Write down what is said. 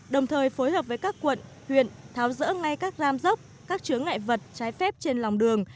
đồng thời phối hợp với các quận huyện tháo rỡ ngay các gam dốc các chứa ngại vật trái phép trên lòng đường